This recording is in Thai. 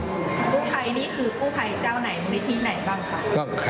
กู้ภัยนี่คือกู้ภัยเจ้าไหนมูลนิธิไหนบ้างคะ